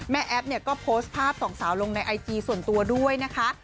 แอปเนี่ยก็โพสต์ภาพสองสาวลงในไอจีส่วนตัวด้วยนะคะ